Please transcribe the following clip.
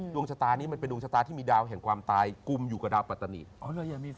ดวงชะตานี้มันเป็นดวงชะตาที่มีดาวแห่งความตายกุมอยู่กับดาวปัตตานี